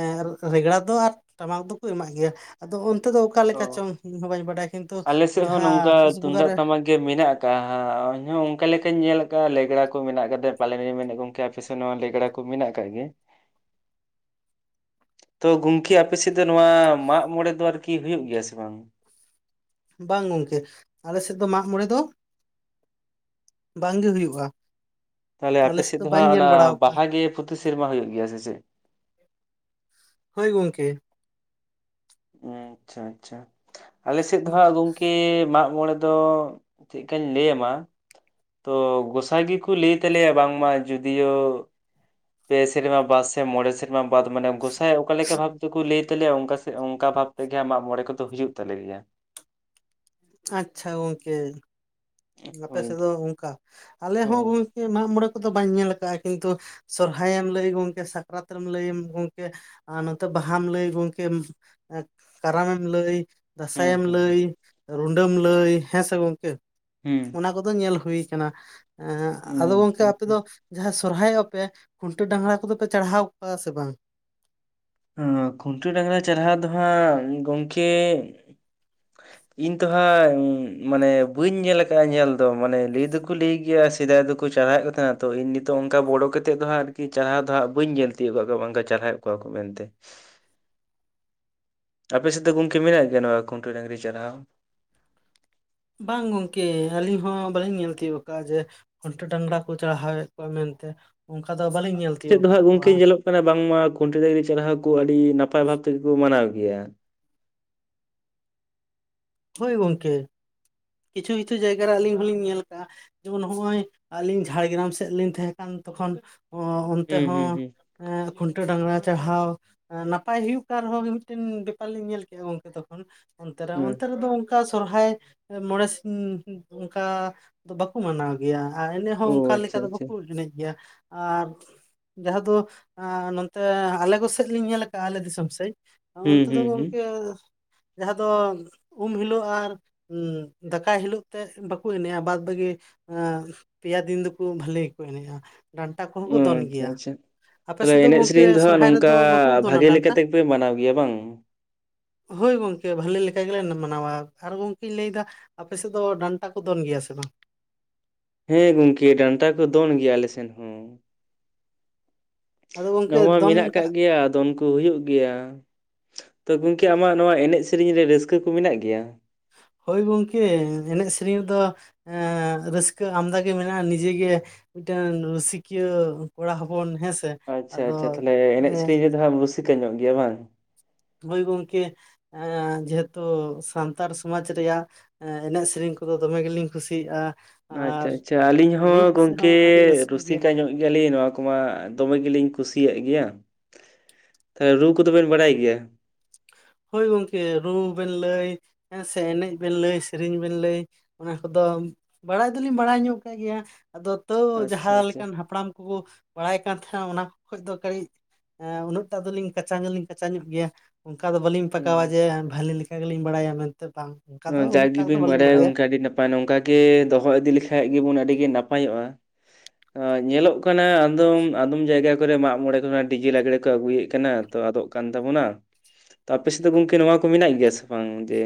ᱨᱮᱜᱽᱲᱟ ᱫᱚ ᱟᱨ ᱴᱟᱢᱟᱠ ᱫᱚᱠᱚ ᱮᱢᱟᱜ ᱜᱮᱭᱟ᱾ ᱟᱫᱚ ᱚᱱᱛᱮ ᱫᱚ ᱚᱠᱟ ᱚ ᱞᱮᱠᱟ ᱪᱚᱝ ᱤᱧ ᱦᱚᱸ ᱵᱟᱹᱧ ᱵᱟᱰᱟᱭᱟ ᱠᱤᱱᱛᱩ ᱟᱞᱮ ᱥᱮᱫ ᱦᱚᱸ ᱡᱟᱦᱟᱸ ᱱᱚᱝᱠᱟ ᱯᱩᱥ ᱵᱚᱸᱜᱟ ᱛᱩᱢᱫᱟᱜ ᱨᱮ ᱴᱟᱢᱟᱠ ᱜᱮ ᱢᱮᱱᱟᱜ ᱟᱠᱟᱫ ᱤᱧ ᱦᱚᱸ ᱚᱱᱠᱟ ᱞᱮᱠᱟᱧ ᱧᱮᱞ ᱟᱠᱟᱫᱼᱟ ᱞᱮᱜᱽᱲᱟ ᱠᱚ ᱢᱮᱱᱟᱜ ᱟᱠᱟᱫ ᱯᱟᱞᱮᱱᱤᱧ ᱢᱮᱱ ᱠᱚ ᱟᱯᱮ ᱥᱮᱫ ᱱᱚᱣᱟ ᱞᱮᱜᱽᱲᱟ ᱠᱚ ᱢᱮᱱᱟᱜ ᱟᱠᱟᱜ ᱜᱮ [inaudible] ᱛᱚ ᱜᱚᱢᱠᱮ ᱟᱯᱮ ᱥᱮᱫ ᱫᱚ ᱱᱚᱣᱟ ᱢᱟᱜ ᱢᱚᱬᱮ ᱫᱚ ᱟᱨᱠᱤ ᱦᱩᱭᱩᱜ ᱜᱮᱭᱟ ᱥᱮ ᱵᱟᱝ? ᱵᱟᱝ ᱜᱚᱝᱠᱮ ᱟᱞᱮ ᱥᱮᱫ ᱫᱚ ᱢᱟᱜ ᱢᱚᱬᱮ ᱫᱚ ᱵᱟᱝᱜᱮ ᱦᱩᱭᱩᱜᱼᱟ᱾ ᱛᱟᱦᱚᱞᱮ ᱟᱞᱮ ᱟᱯᱮ ᱥᱮᱫ ᱫᱚ ᱵᱟᱹᱧ ᱦᱟᱸᱜ ᱧᱮᱞ ᱚᱱᱟ ᱵᱟᱲᱟ ᱟᱠᱟᱜᱼᱟ ᱵᱟᱦᱟ ᱜᱮ ᱯᱚᱛᱤ ᱥᱮᱨᱢᱟ ᱦᱩᱭᱩᱜ ᱜᱮᱭᱟ ᱥᱮ ᱪᱮᱫ? ᱦᱳᱭ ᱜᱚᱝᱠᱮ᱾ ᱟᱪᱪᱷᱟ ᱟᱪᱪᱷᱟ ᱟᱞᱮ ᱥᱮᱫ ᱫᱚ ᱦᱟᱸᱜ ᱜᱚᱝᱠᱮ ᱢᱟᱜ ᱢᱚᱬᱮ ᱫᱚ ᱪᱮᱫᱠᱟᱧ ᱞᱟᱹᱭᱟᱢᱟ ᱛᱚ ᱜᱚᱸᱥᱟᱭ ᱜᱮᱠᱚ ᱞᱟᱹᱭ ᱛᱟᱞᱮᱭᱟ ᱵᱟᱝᱢᱟ ᱡᱳᱫᱤᱭᱳ ᱯᱮ ᱥᱮᱨᱢᱟ ᱵᱟᱫ ᱥᱮ ᱢᱚᱬᱮ ᱥᱮᱨᱢᱟ ᱵᱟᱫ ᱢᱟᱱᱮ ᱜᱚᱸᱥᱟᱭ ᱚᱠᱟ ᱞᱮᱠᱟ ᱵᱷᱟᱵ ᱛᱮᱠᱚ ᱞᱟᱹᱭ ᱛᱟᱞᱮᱭᱟ ᱚᱱᱠᱟ ᱚᱱᱠᱟ ᱵᱷᱟᱵ ᱛᱮᱜᱮ ᱢᱟᱜ ᱢᱚᱬᱮ ᱠᱚᱫᱚ ᱦᱩᱭᱩᱜ ᱛᱟᱞᱮ ᱜᱮᱭᱟ᱾ ᱟᱪᱪᱷᱟ ᱜᱚᱝᱠᱮ ᱟᱯᱮ ᱦᱳᱭ ᱥᱮᱫ ᱫᱚ ᱚᱱᱠᱟ ᱟᱞᱮ ᱦᱚ ᱦᱳᱭ ᱠᱮ ᱢᱟᱜᱢᱚᱬᱮ ᱠᱚᱫᱚ ᱵᱟᱹᱧ ᱧᱮᱞ ᱟᱠᱟᱜᱼᱟ ᱠᱤᱱᱛᱩ ᱥᱚᱨᱦᱟᱭᱮᱢ ᱞᱟᱹᱭ ᱜᱚᱝᱠᱮ ᱥᱟᱠᱨᱟᱛ ᱮᱢ ᱞᱟᱹᱭ ᱜᱚᱝᱠᱮ ᱟᱨ ᱱᱚᱛᱮ ᱵᱟᱦᱟᱢ ᱞᱟᱹᱭ ᱜᱚᱝᱠᱮ ᱠᱟᱨᱟᱢ ᱮᱢ ᱞᱟᱹᱭ ᱫᱟᱸᱥᱟᱭ ᱮᱢ ᱦᱩᱸ ᱞᱟᱹᱭ ᱨᱩᱰᱟᱹᱢ ᱞᱟᱹᱭ ᱦᱮᱥᱮ ᱜᱚᱝᱠᱮ ᱦᱩᱸ ᱚᱱᱟ ᱠᱚᱫᱚ ᱧᱮᱞ ᱦᱩᱭ ᱟᱠᱟᱱᱟ᱾ ᱮ ᱦᱟᱸᱜ ᱟᱫᱚ ᱦᱩᱸ ᱦᱩᱸ ᱜᱚᱝᱠᱮ ᱟᱪᱪᱷᱟ ᱟᱯᱮ ᱫᱚ ᱡᱟᱦᱟᱸ ᱥᱚᱨᱦᱟᱭᱚᱜᱼᱟ ᱯᱮ ᱠᱷᱩᱱᱴᱟᱹ ᱰᱟᱸᱜᱽᱨᱟ ᱠᱚᱫᱚ ᱯᱮ ᱪᱟᱲᱦᱟᱣ ᱠᱚᱣᱟ ᱥᱮ ᱵᱟᱝ᱾ ᱦᱮᱸ ᱠᱷᱩᱱᱴᱟᱹ ᱰᱟᱸᱜᱽᱨᱟ ᱪᱟᱲᱦᱟᱣ ᱫᱚ ᱦᱟᱸᱜ ᱜᱚᱝᱠᱮ [inaudible] ᱤᱧ ᱛᱚ ᱦᱟᱸᱜ ᱢᱟᱱᱮ ᱵᱟᱹᱧ ᱧᱮᱞ ᱟᱠᱟᱜᱼᱟ ᱧᱮᱞ ᱫᱚ ᱾ᱢᱟᱱᱮ ᱞᱟᱹᱭ ᱫᱚᱠᱚ ᱞᱟᱹᱭ ᱜᱮᱭᱟ ᱥᱮᱫᱟᱭ ᱫᱚᱠᱚ ᱪᱟᱲᱦᱟᱹᱣᱮᱫ ᱛᱟ ᱛᱚ ᱤᱧ ᱱᱤᱛᱚᱜ ᱚᱱᱠᱟ ᱵᱚᱲᱚ ᱠᱟᱮᱫ ᱫᱚ ᱦᱮᱸ ᱛᱚ ᱤᱧ ᱱᱤᱛᱚᱜ ᱚᱱᱠᱟ ᱵᱚᱲᱚ ᱠᱟᱛᱮᱫ ᱫᱚ ᱦᱟᱸᱜ ᱟᱨᱠᱤ ᱪᱟᱨᱦᱟᱣ ᱫᱚ ᱦᱟᱜ ᱵᱟᱹᱧ ᱧᱮᱞ ᱛᱤᱭᱩᱜ ᱠᱟᱜ ᱠᱚᱣᱟ, ᱚᱱᱠᱟ ᱪᱟᱨᱦᱟᱣᱮᱫ ᱠᱚᱣᱟ ᱠᱚ ᱢᱮᱱᱛᱮ᱾ [unintelligible] ᱟᱯᱮ ᱥᱮᱫ ᱫᱚ ᱜᱚᱝᱠᱮ ᱢᱮᱱᱟᱜ ᱜᱮᱭᱟ ᱱᱚᱣᱟ ᱠᱷᱩᱱᱴᱟᱹ ᱰᱟᱹᱝᱜᱽᱨᱤ ᱪᱟᱨᱦᱟᱣ᱾ ᱵᱟᱝ ᱜᱚᱝᱠᱮ, ᱟᱹᱞᱤᱧ ᱦᱚ ᱵᱟᱹᱞᱤᱧ ᱧᱮᱞ ᱛᱤᱭᱞᱜ ᱟᱠᱟᱜᱼᱟ ᱡᱮ ᱜᱷᱩᱱᱴᱟᱹ ᱰᱟᱸᱜᱽᱨᱟ ᱠᱚ ᱪᱟᱲᱦᱟᱣᱮᱫ ᱠᱚᱣᱟ ᱢᱮᱱᱛᱮ᱾ ᱚᱱᱠᱟ ᱫᱚ ᱵᱟᱞᱤᱧ ᱪᱮᱫ ᱫᱚ ᱦᱟᱸᱜ ᱜᱚᱝᱠᱮ ᱧᱮᱞᱚᱜ ᱠᱟᱱᱟ ᱵᱟᱝᱢᱟ ᱠᱷᱩᱱᱴᱟᱹ ᱰᱟᱺᱜᱽᱨᱤ ᱪᱟᱨᱦᱟᱣ ᱠᱚ ᱟᱹᱰᱤ ᱱᱟᱯᱟᱭ ᱵᱷᱟᱵ ᱛᱮᱜᱮᱠᱚ ᱢᱟᱱᱟᱣ ᱜᱮᱭᱟ᱾ ᱦᱳᱭ ᱜᱚᱝᱠᱮ, ᱠᱤᱪᱷᱩ ᱠᱤᱪᱷᱩ ᱡᱟᱭᱜᱟ ᱨᱮ ᱟᱹᱞᱤᱧ ᱦᱚᱸᱞᱤᱧ ᱧᱮᱞ ᱟᱠᱟᱜᱼᱟ᱾ ᱡᱮᱢᱚᱱ ᱱᱚᱜᱼᱚᱭ ᱟᱹᱞᱤᱧ ᱡᱷᱟᱲᱜᱨᱟᱢ ᱥᱮᱫ ᱞᱤᱧ ᱛᱟᱦᱮᱸ ᱠᱟᱱ ᱛᱚᱠᱷᱚᱱ ᱚ ᱚᱱᱛᱮ ᱦᱩᱸ ᱦᱩᱸ ᱦᱚᱸ᱾ ᱦᱩᱸ ᱮᱸ ᱠᱷᱩᱱᱴᱟᱹ ᱰᱟᱸᱜᱽᱨᱟ ᱪᱟᱨᱦᱟᱣ ᱱᱟᱯᱟᱭ ᱦᱩᱭᱩᱜ ᱠᱟᱱ ᱨᱮᱦᱚᱸ ᱜᱮ ᱢᱤᱫᱴᱟᱹᱝ ᱵᱮᱯᱟᱨ ᱞᱤᱧ ᱧᱮᱞ ᱠᱮᱫᱼᱟ ᱜᱚᱝᱠᱮ ᱛᱚᱠᱷᱚᱱ᱾ ᱚᱱᱛᱮ ᱨᱮ ᱦᱮᱸ ᱚᱱᱛᱮ ᱨᱮᱫᱚ ᱚᱱᱠᱟ ᱥᱚᱨᱦᱟᱭ ᱢᱚᱬᱮ ᱥᱤᱧ ᱚᱱᱠᱟ ᱫᱚ ᱵᱟᱠ ᱠᱚ ᱢᱟᱱᱟᱣ ᱜᱮᱭᱟ ᱟᱨ ᱮᱱᱮᱡ ᱦᱚᱸ ᱚᱱᱠᱟ ᱚ ᱞᱮᱠᱟ ᱟᱪᱪᱷᱟ ᱫᱚ ᱟᱪᱪᱷᱟ ᱵᱟᱠᱚ ᱮᱱᱮᱡ ᱜᱮᱭᱟ᱾ ᱟᱨ ᱡᱟᱦᱟ ᱫᱚ ᱟᱸ ᱱᱚᱛᱮ ᱟᱞᱮ ᱠᱚᱥᱮᱫ ᱞᱤᱧ ᱧᱮᱞ ᱠᱟᱜᱼᱟ, ᱟᱞᱮ ᱫᱤᱥᱚᱢ ᱥᱮᱫ᱾ ᱦᱩᱸ ᱚᱱᱛᱮ ᱫᱚ ᱦᱩᱸ ᱦᱩᱸ ᱜᱚᱝᱠᱮ ᱡᱟᱦᱟᱸ ᱫᱚ ᱩᱢ ᱦᱤᱞᱚᱜ ᱟᱨ ᱩᱱ ᱫᱟᱠᱟᱭ ᱦᱤᱞᱩᱜ ᱛᱮ ᱵᱟᱠᱚ ᱮᱱᱮᱡᱼᱟ᱾ ᱵᱟᱫ ᱵᱟᱹᱠᱤ ᱦᱮᱸ ᱯᱮᱭᱟ ᱫᱤᱱ ᱫᱚᱠᱚ ᱵᱷᱟᱹᱞᱮ ᱜᱮᱠᱚ ᱮᱱᱮᱡᱼᱟ᱾ ᱰᱟᱱᱴᱟ ᱠᱚᱦᱚᱸ ᱚ ᱠᱚ ᱫᱚᱱ ᱟᱪᱪᱷᱟ ᱜᱮᱭᱟ᱾ ᱟᱪᱪᱷᱟ ᱟᱯᱮ ᱥᱮᱫ ᱛᱟᱦᱚᱞᱮ ᱫᱚ ᱮᱱᱮᱡ ᱜᱚᱝᱠᱮ ᱥᱮᱨᱮᱧ ᱫᱚ ᱦᱟᱸᱜ ᱥᱚᱨᱦᱟᱭ ᱱᱚᱝᱠᱟ ᱨᱮᱫᱚ ᱵᱟᱠᱚ ᱫᱚᱱᱟ ᱵᱷᱟᱜᱮ ᱞᱮᱠᱟ ᱰᱟᱱᱴᱟ᱾ ᱛᱮᱜᱮᱯᱮ ᱢᱟᱱᱟᱣ ᱜᱮᱭᱟ ᱵᱟᱝ ᱦᱳᱭ ᱜᱚᱝᱠᱮ, ᱵᱷᱟᱞᱮ ᱞᱮᱠᱟ ᱜᱮᱞᱮ ᱢᱟᱱᱟᱣᱟ ᱟᱨ ᱜᱚᱝᱠᱮ, ᱤᱧ ᱞᱟᱹᱭᱫᱟ ᱟᱯᱮ ᱥᱮᱫ ᱫᱚ ᱰᱟᱱᱴᱟ ᱠᱚ ᱫᱚᱱ ᱜᱮᱭᱟ ᱥᱮ ᱵᱟᱝ᱾ ᱦᱮᱸ ᱜᱚᱝᱠᱮ, ᱰᱟᱱᱴᱟ ᱠᱚ ᱫᱚᱱ ᱜᱮᱭᱟ ᱟᱞᱮ ᱥᱮᱱ ᱦᱚᱸ᱾ ᱟᱫᱚ ᱜᱚᱝᱠᱮ ᱱᱚᱣᱟ ᱫᱚᱱ ᱢᱮᱱᱟᱜ ᱠᱟᱜ ᱜᱮᱭᱟ ᱟᱫᱚ ᱩᱱᱠ ᱠᱚ ᱦᱩᱭᱩᱜ ᱜᱮᱭᱟ᱾ ᱛᱚ ᱜᱚᱝᱠᱮ ᱟᱢᱟᱜ ᱱᱚᱣᱟ ᱮᱱᱮᱡ ᱥᱮᱨᱮᱧ ᱨᱮ ᱨᱟᱹᱥᱠᱟᱹ ᱠᱚ ᱢᱮᱱᱟᱜ ᱜᱮᱭᱟ᱾ ᱦᱳᱭ ᱜᱚᱝᱠᱮ, ᱮᱱᱮᱡ ᱥᱮᱨᱮᱧ ᱨᱮᱫᱚ ᱦᱸᱮ ᱨᱟᱹᱥᱠᱟᱹ ᱟᱢᱫᱟ ᱜᱮ ᱢᱮᱱᱟᱜᱼᱟ᱾ ᱱᱤᱡᱮ ᱜᱮ ᱢᱤᱫᱴᱟᱹᱝ ᱨᱩᱥᱤᱠᱤᱭᱟᱹ ᱠᱚᱲᱟ ᱦᱚᱯᱚᱱ ᱦᱮᱸᱥ ᱟᱪᱪᱷᱟ ᱟᱪᱪᱷᱟ ᱛᱟᱦᱞᱮ ᱮᱱᱮᱡ ᱥᱮᱨᱮᱧ ᱨᱮᱫᱚ ᱦᱟᱸᱜ ᱨᱩᱥᱤᱠᱟᱹ ᱧᱚᱜ ᱜᱮᱭᱟ ᱵᱟᱝ᱾ ᱦᱚᱭ ᱜᱚᱝᱠᱮ, ᱟᱸ ᱡᱚᱛᱚ ᱥᱟᱱᱛᱟᱲ ᱥᱚᱢᱟᱡᱽ ᱨᱮᱭᱟᱜ ᱦᱮᱸ ᱮᱱᱮᱡ ᱥᱮᱨᱮᱧ ᱠᱚᱫᱚ ᱫᱚᱢᱮ ᱜᱮᱞᱤᱧ ᱠᱩᱥᱤᱭᱟᱜᱼᱟ᱾ ᱟᱪᱪᱷᱟ ᱟᱨ ᱟᱪᱪᱷᱟ, ᱟᱹᱞᱤᱧ ᱨᱩ ᱦᱚᱸ ᱠᱚᱥᱮ ᱜᱚᱝᱠᱮ ᱦᱚᱸ ᱟᱹᱰᱤ ᱨᱟᱹᱥᱠᱟᱹ ᱜᱮ ᱨᱩᱥᱤᱠᱟ ᱧᱚᱜ ᱜᱮᱞᱤᱧ ᱱᱚᱣᱟ ᱠᱚᱢᱟ ᱫᱚᱢᱮ ᱜᱮᱞᱤᱧ ᱠᱩᱥᱤᱭᱟᱜ ᱜᱮᱭᱟ᱾ ᱦᱮ ᱨᱩ ᱠᱚᱫᱚᱵᱤᱱ ᱵᱟᱲᱟᱭ ᱜᱮᱭᱟ᱾ ᱦᱳᱭ ᱜᱚᱝᱠᱮ᱾ ᱨᱩ ᱵᱮᱱ ᱞᱟᱹᱭ ᱦᱮᱸ ᱥᱮ ᱮᱱᱮᱡ ᱵᱤᱱ ᱞᱟᱹᱭ, ᱥᱮᱨᱮᱧ ᱵᱤᱱ ᱞᱟᱹᱭ᱾ ᱚᱱᱟ ᱠᱚᱫᱚ ᱵᱟᱲᱟᱭ ᱫᱚᱞᱤᱧ ᱵᱟᱲᱟᱭ ᱧᱚᱜ ᱠᱟᱜ ᱜᱮᱭᱟ᱾ ᱟᱫᱚ ᱛᱚᱣ ᱟᱪᱪᱷᱟ ᱡᱟᱦᱟᱸ ᱟᱪᱪᱷᱟ ᱞᱮᱠᱟᱱ ᱦᱟᱯᱲᱟᱢ ᱠᱚᱵᱚ ᱵᱟᱲᱟᱭ ᱠᱟᱱ ᱛᱟᱦᱮᱸᱱᱟ ᱚᱱᱟ ᱠᱷᱚᱡ ᱫᱚ ᱠᱟᱹᱴᱤᱡ ᱮ ᱩᱱᱟᱹᱜ ᱴᱟᱜ ᱫᱚᱞᱤᱧ ᱠᱟᱪᱟ ᱫᱚᱞᱤᱧ ᱠᱟᱪᱟ ᱧᱚᱜ ᱜᱮᱭᱟ ᱾ ᱚᱱᱠᱟ ᱫᱚ ᱵᱟᱹᱞᱤᱧ ᱯᱟᱠᱟᱣᱟ ᱡᱮ ᱵᱷᱟᱹᱞᱤ ᱞᱮᱠᱟ ᱜᱮᱞᱤᱧ ᱵᱟᱲᱟᱭᱟ ᱢᱮᱱᱛᱮ ᱵᱟᱝ᱾ ᱚᱱᱠᱟ ᱫᱚ ᱩᱱᱟᱹᱜ ᱴᱟᱜ ᱫᱚ ᱡᱟᱭᱜᱮᱵᱤᱱ ᱵᱟᱹᱞᱤᱧ ᱵᱟᱰᱟᱭᱟ ᱵᱟᱲᱟᱭᱟ ᱜᱚᱝᱠᱮ ᱟᱹᱰᱤ ᱱᱟᱯᱟᱭ, ᱱᱚᱝᱠᱟ ᱜᱮ ᱫᱚᱦᱚ ᱤᱫᱤ ᱞᱮᱠᱷᱟᱡ ᱜᱮᱵᱚᱱ ᱟᱹᱰᱤ ᱜᱮ ᱱᱟᱯᱟᱭᱚᱜᱼᱟ ᱾ ᱟᱹ ᱧᱮᱞᱚᱜ ᱠᱟᱱᱟ ᱟᱸᱫᱚᱢ ᱟᱫᱚᱢ ᱡᱟᱭᱜᱟ ᱠᱚᱨᱮ ᱢᱟᱜ ᱢᱚᱬᱮ ᱠᱚ ᱱᱟᱜ ᱰᱤᱡᱮ ᱞᱟᱸᱜᱽᱲᱮ ᱠᱚ ᱟᱹᱜᱩᱭᱮᱫ ᱠᱟᱱᱟ ᱾ ᱛᱚ ᱟᱫᱚᱜ ᱠᱟᱱ ᱛᱟᱵᱚᱱᱟᱚ ᱾ ᱛᱚ ᱟᱯᱮ ᱥᱮᱫ ᱫᱚ ᱜᱚᱝᱠᱮ ᱱᱚᱣᱟ ᱠᱚ ᱢᱮᱱᱟᱜ ᱜᱮᱭᱟ ᱥᱮ ᱵᱟᱝ ᱾ ᱡᱮ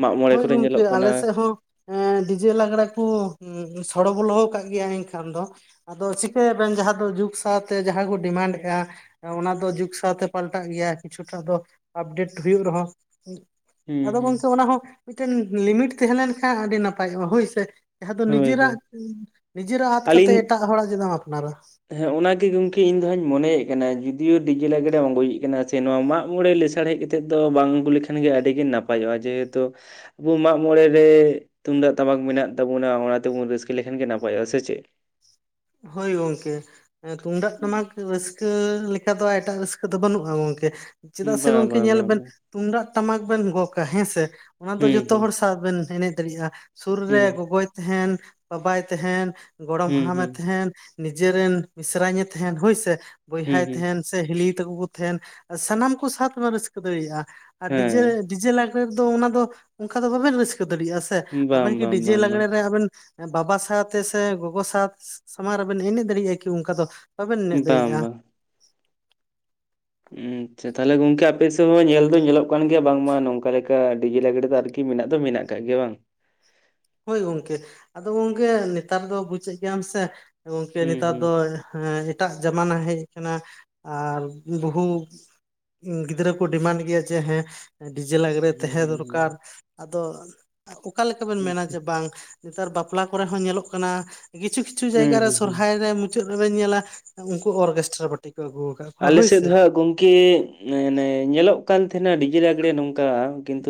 ᱢᱟᱜ ᱢᱚᱬᱮ ᱦᱳᱭ ᱠᱚᱨᱮ ᱜᱚᱝᱠᱮ, ᱧᱮᱞᱚᱜ ᱠᱟᱱᱟ ᱟᱞᱮ ᱥᱮᱫ ᱦᱚᱸ ᱮᱸ ᱰᱤᱡᱮ ᱞᱟᱸᱜᱽᱲᱮ ᱠᱚ ᱥᱚᱲᱚ ᱵᱚᱞᱚ ᱟᱠᱟᱜ ᱜᱮᱭᱟ ᱮᱱᱠᱷᱟᱱ ᱫᱚ᱾ ᱟᱫᱚ ᱪᱤᱠᱟᱹᱭᱟ ᱵᱮᱱ ᱡᱟᱦᱟᱸ ᱫᱚ ᱡᱩᱜᱽ ᱥᱟᱶᱛᱮ ᱡᱟᱦᱟᱸᱭ ᱠᱚ ᱰᱤᱢᱟᱱᱰ ᱮᱜᱼᱟ ᱾ ᱚᱱᱟ ᱫᱚ ᱡᱩᱜᱽ ᱥᱟᱶᱛᱮ ᱯᱟᱞᱴᱟᱜ ᱜᱮᱭᱟ, ᱠᱤᱪᱷᱩᱴᱟ ᱫᱚ ᱟᱯᱰᱮᱴ ᱦᱩᱭᱩᱜ ᱨᱮᱦᱚᱸ ᱦᱩᱸ ᱟᱫᱚ ᱦᱩᱸ ᱜᱚᱝᱠᱮ ᱚᱱᱟ ᱦᱚᱸ ᱢᱤᱫᱴᱮᱱ ᱞᱤᱢᱤᱴ ᱛᱟᱦᱮᱸ ᱞᱮᱱᱠᱷᱟᱱ ᱟᱹᱰᱤ ᱱᱟᱯᱟᱭᱚᱜᱼᱟ, ᱦᱳᱭ ᱥᱮ? ᱡᱟᱦᱟᱸ ᱫᱚ ᱦᱳᱭ ᱦᱳᱭ ᱱᱤᱡᱮᱨᱟᱜ ᱱᱤᱡᱮᱨᱟᱜ ᱟᱛ ᱠᱟᱛᱮ ᱟᱹᱞᱤᱧ ᱮᱴᱟᱜ ᱦᱚᱲᱟᱜ ᱪᱮᱫᱟᱢ ᱟᱯᱱᱟᱨᱟ ᱾ ᱦᱮᱸ, ᱚᱱᱟ ᱜᱮ ᱜᱚᱝᱠᱮ ᱤᱧ ᱫᱚᱧ ᱢᱚᱱᱭᱮᱫ ᱠᱟᱱᱟ ᱡᱩᱫᱤᱭᱳ ᱰᱤᱡᱮ ᱞᱟᱜᱽᱲᱮᱢ ᱟᱜᱩᱭᱮᱫ ᱠᱟᱱᱟ, ᱥᱮ ᱱᱚᱣᱟ ᱢᱟᱜ ᱢᱚᱬᱮ ᱞᱮᱥᱟᱲ ᱦᱮᱡ ᱠᱟᱛᱮ, ᱛᱮᱫ ᱫᱚ ᱵᱟᱝ ᱟᱹᱜᱩ ᱞᱮᱠᱷᱟᱱ ᱜᱮ ᱟᱹᱰᱤ ᱜᱮ ᱱᱟᱯᱟᱭᱚᱜᱼᱟ, ᱡᱮᱦᱮᱛᱩ ᱟᱵᱚ ᱢᱟᱜ ᱢᱚᱬᱮ ᱨᱮ ᱛᱩᱢᱫᱟᱜ ᱴᱟᱢᱟᱠ ᱢᱮᱱᱟᱜ ᱛᱟᱵᱚᱱᱟ, ᱚᱱᱟ ᱛᱮᱵᱚᱱ ᱨᱟᱹᱥᱠᱟᱹ ᱞᱮᱠᱷᱟᱱ ᱜᱮ ᱱᱟᱯᱟᱭᱚᱜᱼᱟ ᱾ ᱥᱮ ᱪᱮᱫ? ᱦᱳᱭ ᱜᱚᱝᱠᱮ, ᱛᱩᱢᱫᱟᱜ ᱴᱟᱢᱟᱠ ᱨᱟᱹᱥᱠᱟᱹ ᱨᱟᱹᱥᱠᱟᱹ ᱞᱮᱠᱟ ᱫᱚ ᱮᱴᱟᱜ ᱨᱟᱹᱥᱠᱟᱹ ᱫᱚ ᱵᱟᱹᱱᱩᱜᱼᱟ ᱜᱚᱝᱠᱮ ᱾ ᱪᱮᱫᱟᱜ ᱥᱮ ᱵᱟᱝ ᱜᱚᱝᱠᱮ ᱵᱟᱝ ᱧᱮᱞ ᱵᱟᱝ ᱵᱮᱱ ᱵᱟᱝ ᱛᱩᱢᱫᱟᱜ ᱴᱟᱢᱟᱠ ᱵᱮᱱ ᱜᱚᱜ ᱠᱟᱜᱼᱟ, ᱦᱮᱸ ᱥᱮ, ᱚᱱᱟ ᱫᱚ ᱦᱩᱸ ᱡᱚᱛᱚ ᱦᱩᱸ ᱦᱚᱲ ᱥᱟᱶ ᱵᱮᱱ ᱮᱱᱮᱡ ᱫᱟᱲᱮᱭᱟᱜᱼᱟ ᱾ ᱥᱩᱨ ᱨᱮ ᱦᱩᱸ ᱜᱚᱜᱚᱭ ᱛᱟᱦᱮᱱ, ᱵᱟᱵᱟᱭ ᱛᱟᱦᱮᱱ, ᱜᱚᱲᱚᱢ ᱦᱩᱸ ᱦᱟᱲᱟᱢᱮ ᱦᱩᱸ ᱱᱤᱡᱮᱨᱮᱱ ᱢᱤᱥᱨᱟᱧ ᱮ ᱛᱟᱦᱮᱸᱱ, ᱦᱳᱭ ᱥᱮ, ᱦᱩᱸ ᱵᱚᱭᱦᱟᱭ ᱦᱩᱸ ᱛᱟᱦᱮᱱ, ᱥᱮ ᱦᱤᱞᱤ ᱛᱟᱠᱚ ᱠᱚ ᱛᱟᱦᱮᱱ, ᱥᱟᱱᱟᱢ ᱠᱚ ᱥᱟᱶᱢ ᱨᱟᱹᱥᱠᱟᱹ ᱫᱟᱲᱮᱭᱟᱜᱼᱟ ᱾ ᱟᱨ ᱰᱤᱡᱮ ᱦᱮᱸ ᱰᱤᱡᱮ ᱞᱟᱸᱜᱽᱲᱮ ᱨᱮ ᱫᱚ ᱚᱱᱟ ᱫᱚ ᱚᱱᱠᱟ ᱫᱚ ᱵᱟᱵᱮᱱ ᱨᱟᱹᱥᱠᱟᱹ ᱫᱟᱲᱮᱭᱟᱜᱼᱟ ᱥᱮ, ᱵᱟᱝ ᱟᱵᱮᱱ ᱠᱤ ᱵᱟᱝ ᱰᱤᱡᱮ ᱵᱟᱝ ᱵᱟᱝ ᱞᱟᱜᱽᱲᱮ ᱨᱮ ᱟᱵᱮᱱ ᱵᱟᱵᱟ ᱥᱟᱶᱛᱮ ᱥᱮ ᱜᱚᱜᱚ ᱥᱟᱶ ᱥᱟᱢᱟᱝ ᱨᱮᱵᱮᱱ ᱮᱱᱮᱡ ᱫᱟᱲᱮᱭᱟᱜᱼᱟ ᱠᱤ ᱚᱱᱠᱟ ᱫᱚ? ᱵᱟᱵᱮᱱ ᱮᱱᱮᱡ ᱵᱟᱝ ᱫᱟᱲᱮᱭᱟᱜᱼᱟ ᱾ ᱦᱩᱸ, ᱟᱪᱪᱷᱟ ᱾ ᱛᱟᱦᱞᱮ ᱜᱚᱝᱠᱮ ᱟᱯᱮ ᱥᱮᱫ ᱦᱚᱸ ᱧᱮᱞ ᱫᱚ ᱧᱮᱞᱚᱜ ᱠᱟᱱ ᱜᱮᱭᱟ ᱵᱟᱝᱢᱟ ᱱᱚᱝᱠᱟ ᱞᱮᱠᱟ ᱰᱤᱡᱮ ᱞᱟᱸᱜᱽᱲᱮ ᱫᱚ ᱟᱨᱠᱤ ᱢᱮᱱᱟᱜ ᱫᱚ ᱢᱮᱱᱟᱜ ᱜᱮᱭᱟ ᱾ ᱛᱟᱹᱭ ᱜᱮ ᱵᱟᱝ? ᱦᱳᱭ ᱜᱚᱝᱠᱮ ᱾ ᱟᱫᱚ ᱜᱚᱝᱠᱮ ᱱᱮᱛᱟᱨ ᱫᱚ ᱵᱩᱡᱮᱫ ᱜᱮᱭᱟᱢ ᱥᱮ, ᱜᱚᱝᱠᱮ ᱦᱩᱸ ᱱᱮᱛᱟᱨ ᱦᱩᱸ ᱫᱚ ᱦᱮᱸ ᱮᱴᱟᱜ ᱡᱟᱢᱟᱱᱟ ᱦᱮᱡ ᱟᱠᱟᱱᱟ ᱟᱨ ᱵᱚᱦᱩ ᱜᱤᱫᱽᱨᱟᱹ ᱠᱚ ᱰᱤᱢᱟᱱᱰ ᱜᱮᱭᱟ ᱡᱮ ᱦᱮᱸ ᱰᱤᱡᱮ ᱞᱟᱜᱽᱲᱮ ᱦᱩᱸ ᱛᱟᱦᱮᱸ ᱫᱚᱨᱠᱟᱨ ᱦᱩᱸ ᱟᱫᱚ ᱚᱠᱟ ᱞᱮᱠᱟ ᱵᱮᱱ ᱢᱮᱱᱟ ᱟᱪᱪᱷᱟ ᱡᱮ ᱱᱮᱛᱟᱨ ᱵᱟᱯᱞᱟ ᱠᱚᱨᱮ ᱦᱚᱸ ᱧᱮᱞᱚᱜ ᱠᱟᱱᱟ ᱾ ᱠᱤᱪᱷᱩ ᱠᱤᱪᱷᱩ ᱦᱩᱸ ᱡᱟᱭᱜᱟ ᱨᱮ ᱦᱩᱸ ᱦᱩᱸ ᱥᱚᱨᱦᱟᱭ ᱨᱮ, ᱢᱩᱪᱟᱹᱫ ᱨᱮᱵᱮᱱ ᱧᱮᱞᱟ ᱩᱱᱠᱩ ᱚᱨᱜᱮᱥᱴᱨᱟ ᱯᱟᱴᱤ ᱠᱚ ᱟᱹᱜᱩ ᱟᱠᱟᱫ ᱠᱚᱣᱟ ᱟᱞᱮ ᱦᱳᱭ ᱥᱮᱫ ᱥᱮ ᱫᱚ ᱦᱟᱸᱜ ᱜᱚᱝᱠᱮ ᱤᱭᱟᱹ ᱚᱱᱮ ᱧᱮᱞᱚᱜ ᱠᱟᱱ ᱛᱟᱦᱮᱱᱟ ᱰᱤᱡᱮ ᱞᱟᱸᱜᱽᱲᱮ ᱱᱚᱝᱠᱟ, ᱠᱤᱱᱛᱩ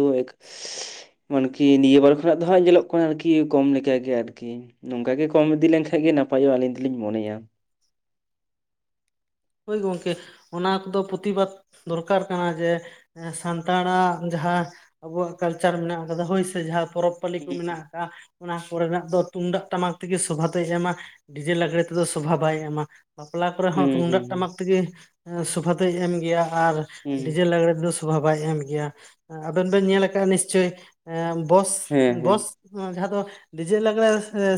ᱢᱟᱱᱠᱤ ᱱᱤᱭᱟᱹ ᱵᱟᱨ ᱠᱷᱚᱱᱟᱜ ᱫᱚ ᱦᱟᱸᱜ ᱧᱮᱞᱚᱜ ᱠᱟᱱᱟ ᱟᱨᱠᱤ ᱠᱚᱢ ᱞᱮᱠ ᱜᱮ ᱟᱨᱠᱤ ᱾ ᱱᱚᱝᱠᱟ ᱜᱮ ᱠᱚᱢ ᱤᱫᱤ ᱞᱮᱱᱠᱷᱟᱡ ᱜᱮ ᱱᱟᱯᱟᱭᱚᱜᱼᱟ ᱟᱹᱞᱤᱧ ᱫᱚᱞᱤᱧ ᱢᱚᱱᱮᱭᱟ ᱾ ᱦᱳᱭ ᱜᱚᱝᱠᱮ ᱾ ᱚᱱᱟ ᱠᱚᱫᱚ ᱯᱨᱚᱛᱤᱵᱟᱫᱽ ᱫᱚᱨᱠᱟᱨ ᱠᱟᱱᱟ, ᱡᱮ ᱥᱟᱱᱛᱟᱲᱟᱜ ᱡᱟᱦᱟᱸ ᱟᱵᱚᱣᱟᱜ ᱠᱟᱞᱪᱟᱨ ᱢᱮᱱᱟᱜ ᱟᱠᱟᱫᱟ, ᱦᱳᱭ ᱥᱮ ᱡᱟᱦᱟᱸ ᱯᱚᱨᱚᱵᱽ ᱯᱟᱹᱞᱤ ᱠᱚ ᱦᱩᱸ ᱢᱮᱱᱟᱜ ᱟᱠᱟᱫ, ᱚᱱᱟ ᱠᱚᱨᱮᱱᱟᱜ ᱫᱚ ᱛᱩᱢᱫᱟᱜ ᱴᱟᱢᱟᱠ ᱛᱮᱜᱮ ᱥᱚᱵᱷᱟ ᱫᱚᱭ ᱮᱢᱟ ᱾ ᱰᱤᱡᱮ ᱞᱟᱸᱜᱽᱲᱮ ᱛᱮᱫᱚ ᱥᱚᱵᱷᱟ ᱵᱟᱭ ᱮᱢᱟ ᱾ ᱵᱟᱯᱞᱟ ᱠᱚᱨᱮ ᱦᱚᱸ ᱦᱩᱸ ᱦᱩᱸ ᱛᱩᱢᱫᱟᱜ ᱦᱩᱸ ᱴᱟᱢᱟᱠ ᱛᱮᱜᱮ ᱥᱚᱵᱷᱟ ᱫᱚᱭ ᱮᱢ ᱜᱮᱭᱟ ᱟᱨ ᱦᱩᱸ ᱰᱤᱡᱮ ᱞᱟᱜᱽᱲᱮ ᱫᱚ ᱥᱚᱵᱷᱟ ᱵᱟᱭ ᱮᱢ ᱜᱮᱭᱟ ᱾ ᱟᱵᱮᱱ ᱵᱮᱱ ᱧᱮᱞ ᱟᱠᱟᱜᱼᱟ ᱱᱤᱥᱪᱳᱚᱭ ᱵᱚᱥ ᱦᱮᱸ ᱦᱮᱸ ᱵᱚᱥ ᱡᱟᱦᱟᱸ ᱫᱚ ᱰᱤᱡᱮ ᱞᱟᱸᱜᱽᱲᱮ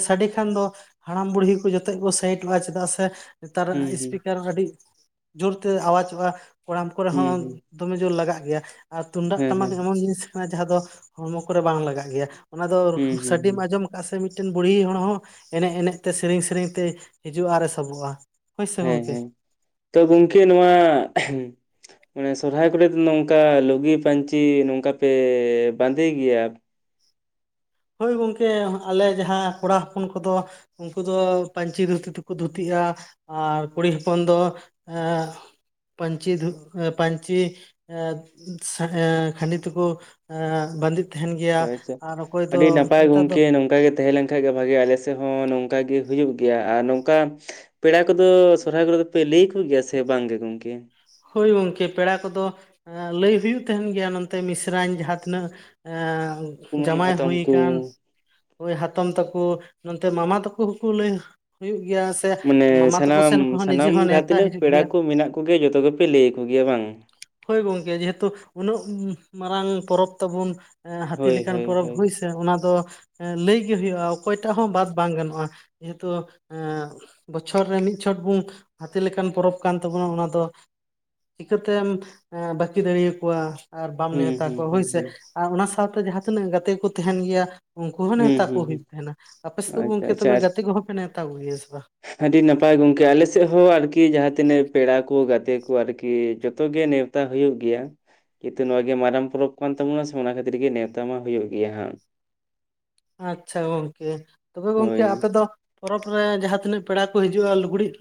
ᱥᱟᱰᱮ ᱠᱷᱟᱱ ᱫᱚ ᱦᱟᱲᱟᱢ ᱵᱩᱲᱦᱤ ᱠᱚ ᱡᱚᱛᱚ ᱠᱚ ᱥᱮᱟᱭᱤᱴᱚᱜᱼᱟ, ᱪᱮᱫᱟᱜ ᱥᱮ ᱱᱮᱛᱟᱨᱟᱜ ᱦᱩᱸ ᱦᱩᱸ ᱤᱥᱯᱤᱠᱟᱨ ᱟᱹᱰᱤ ᱡᱳᱨᱛᱮ ᱟᱣᱟᱡᱚᱜᱼᱟ, ᱠᱚᱲᱟᱢ ᱠᱚᱨᱮ ᱦᱩᱸ ᱦᱚᱸ ᱦᱩᱸ ᱫᱚᱢᱮ ᱡᱳᱨ ᱞᱟᱜᱟᱜ ᱜᱮᱭᱟ ᱟᱨ ᱛᱩᱢᱫᱟᱜ ᱦᱮᱸ ᱴᱟᱢᱟᱠ ᱦᱮᱸ ᱮᱢᱚᱱ ᱡᱤᱱᱤᱥ ᱠᱟᱱᱟ, ᱡᱟᱦᱟᱸ ᱫᱚ ᱦᱚᱲᱢᱚ ᱠᱚᱨᱮ ᱵᱟᱝ ᱞᱟᱜᱟᱜ ᱜᱮᱭᱟ ᱾ ᱚᱱᱟ ᱫᱚ ᱦᱩᱸ ᱦᱩᱸ ᱥᱟᱰᱮᱢ ᱦᱩᱸ ᱟᱸᱡᱚᱢ ᱪᱮᱫᱟᱜ ᱥᱮ ᱢᱤᱫᱴᱮᱱ ᱵᱩᱲᱦᱤ ᱦᱚᱲ ᱦᱚᱸ ᱮᱱᱮᱡ ᱮᱱᱮᱡ ᱛᱮ ᱥᱮᱨᱮᱧ ᱥᱮᱨᱮᱧ ᱛᱮ ᱦᱤᱡᱩᱜᱼᱟ ᱟᱨ ᱥᱟᱵᱚᱜᱼᱟ ᱾ ᱦᱳᱭ ᱥᱮ ᱦᱮᱸ ᱜᱚᱝᱠᱮ? ᱦᱮᱸ ᱛᱚ ᱜᱚᱝᱠᱮ ᱱᱚᱣᱟ ᱥᱚᱨᱦᱟᱭ ᱠᱚᱨᱮ ᱫᱚ ᱱᱚᱝᱠᱟ ᱞᱩᱜᱤ ᱯᱟᱹᱧᱪᱤ ᱱᱚᱝᱠᱟ ᱯᱮ ᱵᱟᱸᱫᱮ ᱜᱮᱭᱟ ᱦᱳᱭ ᱜᱚᱝᱠᱮ ᱟᱞᱮ ᱡᱟᱦᱟ ᱠᱚᱲᱟ ᱦᱚᱯᱚᱱ ᱠᱚᱫᱚ ᱩᱱᱠᱩ ᱫᱚ ᱯᱟᱹᱧᱪᱤ ᱫᱷᱩᱛᱤ ᱛᱮᱠᱚ ᱫᱷᱩᱛᱤᱜᱼᱟ ᱟᱨ ᱠᱩᱲᱤ ᱦᱚᱯᱚᱱ ᱫᱚ ᱟ ᱯᱪᱤ ᱫᱷᱩ ᱯᱪᱤ ᱠᱷᱟᱹᱰᱤ ᱛᱮᱠᱚ ᱵᱟᱸᱫᱮᱜ ᱛᱟᱦᱮᱱ ᱜᱮᱭᱟ ᱟᱪᱪᱷᱟ ᱟᱨ ᱚᱠᱚᱭ ᱫᱚ ᱟᱹᱰᱤ ᱱᱟᱯᱟᱭ ᱱᱮᱛᱟᱨ ᱫᱚ ᱜᱚᱝᱠᱮ ᱱᱚᱝᱠ ᱜᱮ ᱛᱟᱦᱮ ᱞᱮᱱᱠᱟᱱ ᱜᱮ ᱵᱷᱟᱜᱮ ᱟᱞᱮ ᱥᱮᱫ ᱦᱚ ᱱᱚᱝᱠᱟ ᱜᱮ ᱦᱩᱭᱩᱜ ᱜᱮᱭᱟ ᱟᱨ ᱱᱚᱝᱠᱟ ᱯᱮᱲᱟ ᱠᱚᱫᱚ ᱥᱚᱨᱦᱟᱭ ᱠᱚᱨᱮ ᱫᱚᱯᱮ ᱞᱟᱹᱭᱟ ᱟᱠᱩᱜᱮᱭᱟ ᱥᱮ ᱵᱟᱝ ᱜᱮ ᱜᱚᱢᱠᱮ? ᱦᱳᱭ ᱜᱚᱢᱠᱮ ᱯᱮᱲᱟ ᱠᱚᱫᱚ ᱞᱟᱹᱭ ᱦᱩᱭᱩᱜ ᱛᱟᱸᱦᱮᱱ ᱜᱮᱭᱟ ᱱᱚᱱᱛᱮ ᱢᱤᱥᱨᱟᱧ ᱡᱟᱦᱟᱸ ᱛᱤᱱᱟᱹᱜ ᱮ ᱠᱩᱢᱟᱹᱝ ᱡᱟᱶᱟᱭ ᱦᱟᱛᱚᱢ ᱦᱩᱭ ᱠᱚ ᱟᱠᱟᱱ ᱳᱭ ᱦᱟᱛᱚᱢ ᱛᱟᱠᱚ ᱱᱚᱛᱮ ᱢᱟᱢᱟ ᱛᱟᱠᱚ ᱦᱚᱸᱠᱚ ᱞᱟᱹᱭ ᱦᱩᱭᱩᱜ ᱜᱮᱭᱟ᱾ ᱥᱮ ᱢᱟᱱᱮ ᱢᱟᱢᱟ ᱛᱟᱠᱚ ᱥᱟᱱᱟᱢ ᱥᱮᱱ ᱠᱚᱦᱚᱸ ᱱᱤᱡᱮ ᱥᱟᱱᱟᱢ ᱦᱚᱸ ᱡᱟᱦᱟᱸ ᱱᱮᱣᱛᱟ ᱛᱤᱱᱟᱹᱜ ᱦᱤᱡᱩᱜ ᱯᱮᱲᱟ ᱜᱮᱭᱟ ᱠᱚ ᱢᱮᱱᱟᱜ ᱠᱚᱜᱮᱭᱟ ᱡᱚᱛᱚ ᱜᱮᱯᱮ ᱞᱟᱹᱭ ᱟᱠᱚ ᱜᱮᱭᱟ ᱵᱟᱝ? ᱦᱳᱭ ᱜᱚᱝᱠᱮ ᱡᱮᱦᱮᱛᱩ ᱩᱱᱟᱹᱜ ᱢᱟᱨᱟᱝ ᱯᱚᱨᱚᱵᱽ ᱛᱟᱵᱩᱱ ᱦᱟᱹᱛᱤ ᱦᱳᱭ ᱞᱮᱠᱟᱱ ᱦᱳᱭ ᱯᱚᱨᱚᱵ ᱦᱳᱭ ᱦᱩᱭ᱾ ᱥᱮ ᱚᱱᱟ ᱫᱚ ᱞᱟᱹᱭ ᱜᱮ ᱦᱩᱭᱩᱜᱼᱟ ᱚᱠᱚᱭᱴᱟᱜ ᱦᱚᱸ ᱵᱟᱫ ᱵᱟᱝ ᱜᱟᱱᱚᱜᱼᱟ ᱡᱮᱦᱮᱛᱩ ᱮ ᱵᱚᱪᱷᱚᱨ ᱨᱮ ᱢᱤᱫ ᱪᱷᱚᱴ ᱵᱚᱱ ᱦᱟᱹᱛᱤ ᱞᱮᱠᱟᱱ ᱯᱚᱨᱚᱵᱽ ᱠᱟᱱ ᱛᱟᱵᱚᱱᱟ ᱚᱱᱟ ᱫᱚ᱾ ᱪᱤᱠᱟᱹᱛᱮᱢ ᱵᱟᱹᱠᱤ ᱫᱟᱲᱮ ᱟᱠᱠᱚᱣᱼᱟ ᱟᱨ ᱵᱟᱢ ᱦᱩᱸ ᱱᱮᱣᱛᱟ ᱦᱩᱸ ᱠᱚᱣᱟ ᱦᱩᱸ ᱦᱳᱭᱥᱮ᱾ ᱦᱩᱸ ᱟᱨ ᱚᱱᱟ ᱥᱟᱶᱛᱮ ᱡᱟᱦᱟᱸ ᱛᱤᱱᱟᱹᱜ ᱜᱟᱛᱮ ᱠᱚ ᱛᱟᱦᱮᱱ ᱜᱮᱭᱟ ᱩᱱᱠᱩ ᱦᱚᱸ ᱦᱩᱸ ᱱᱮᱶᱛᱟ ᱠᱚ ᱦᱩᱸ ᱦᱩᱸ ᱦᱩᱭᱩᱜ ᱛᱟᱸᱦᱮᱱᱟ᱾ ᱟᱯᱮ ᱥᱮᱫ ᱟᱪᱪᱷᱟ ᱜᱚᱝᱠᱮ ᱟᱪᱪᱷᱟ ᱛᱚᱵᱮ ᱜᱟᱛᱮ ᱠᱚᱦᱚᱸ ᱯᱮ ᱱᱮᱶᱛᱟ ᱠᱚᱜᱮᱭᱟ ᱥᱮ ᱵᱟᱝ? ᱟᱹᱰᱤ ᱱᱟᱯᱟᱭ ᱜᱚᱝᱠᱮ ᱟᱞᱮᱥᱮᱫ ᱦᱚᱸ ᱟᱨᱠᱤ ᱡᱟᱦᱟᱸ ᱛᱤᱱᱟᱹᱜ ᱯᱮᱲᱟ ᱠᱚ ᱜᱟᱛᱮ ᱠᱚ ᱟᱨᱠᱤ ᱡᱚᱛᱚ ᱜᱮ ᱱᱮᱶᱛᱟ ᱦᱟ ᱦᱩᱭᱩᱜ ᱜᱮᱭᱟ ᱠᱤᱱᱛᱩ ᱱᱚᱣᱟ ᱜᱮ ᱢᱟᱨᱟᱝ ᱯᱚᱨᱚᱵᱽ ᱠᱟᱱ ᱛᱟᱵᱚᱱᱟ ᱥᱮ ᱚᱱᱟ ᱠᱷᱟᱹᱛᱤᱨ ᱜᱮ ᱱᱮᱶᱛᱟ ᱢᱟ ᱦᱩᱭᱩᱜ ᱜᱮᱭᱟ ᱦᱟᱸᱜ᱾ ᱟᱪᱪᱷᱟ ᱜᱚᱝᱠᱮ ᱛᱚᱵᱮ ᱜᱚᱝᱠᱮ ᱦᱳᱭ ᱟᱯᱮ ᱫᱚ ᱯᱚᱨᱚᱵ ᱨᱮ ᱡᱟᱦᱟᱸᱛᱤᱱᱟᱹᱜ ᱯᱮᱲᱟ ᱠᱚ ᱦᱤᱡᱩᱜᱼᱟ ᱞᱩᱜᱽᱲᱤᱡ